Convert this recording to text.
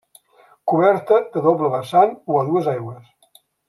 Coberta de doble vessant o a dues aigües.